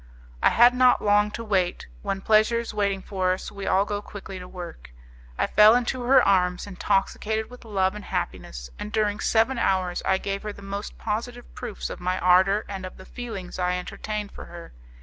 I had not long to wait: when pleasure is waiting for us, we all go quickly to work. I fell into her arms, intoxicated with love and happiness, and during seven hours I gave her the most positive proofs of my ardour and of the feelings I entertained for her.